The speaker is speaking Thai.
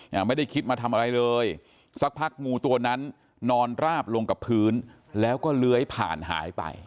ไม่ได้คิดมาทำอะไรเลยสักพักงูตัวนั้นนอนราบลงกับพื้นแล้วก็เลื้อยผ่านหายไป